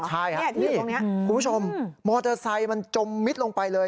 ใช่ครับนี่คุณผู้ชมมอเตอร์ไซค์มันจมมิดลงไปเลย